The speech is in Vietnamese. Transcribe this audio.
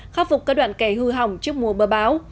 khắc phục các đoạn kè hư hỏng trước mùa bờ báo